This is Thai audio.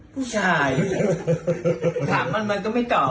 ผู้ชายถามมันมันก็ไม่ตอบ